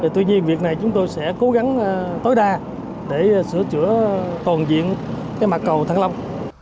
tuy nhiên việc này chúng tôi sẽ cố gắng tối đa để sửa chữa toàn diện mặt cầu thăng long